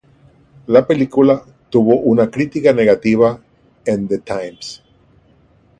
La película tuvo una crítica negativa en "The Times".